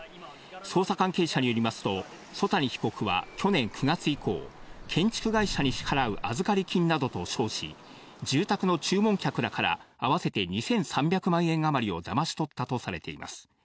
捜査関係者によりますと、曽谷被告は去年９月以降、建築会社に支払う預かり金などと称し、住宅の注文客らから合わせて２３００万円余りをだまし取ったとされています。